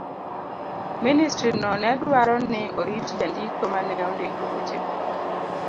Ministrino ne dwaro ni orit jandiko ma ne ondiko wechego.